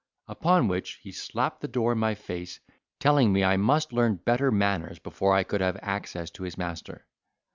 Upon which he slapped the door in my face, telling me I must learn better manners before I could have access to his master.